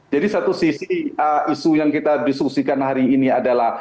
jadi satu sisi isu yang kita disusikan hari ini adalah